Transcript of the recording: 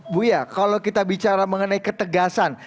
bu ya kalau kita bicara mengenai ketegasan